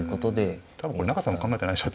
多分これ永瀬さんも考えてないでしょ